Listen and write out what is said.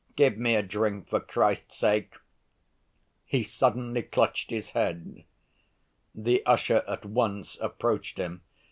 Give me a drink for Christ's sake!" He suddenly clutched his head. The usher at once approached him.